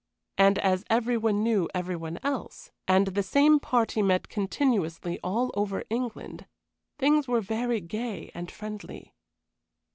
And as every one knew every one else, and the same party met continuously all over England, things were very gay and friendly.